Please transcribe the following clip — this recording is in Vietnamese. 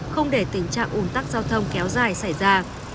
không để tình trạng ủn tắc giao thông kéo dài xảy ra